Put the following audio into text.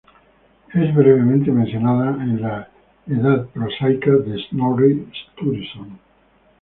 Es brevemente mencionada en la "Edda prosaica" de Snorri Sturluson.